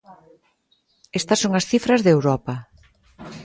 Estas son as cifras de Europa.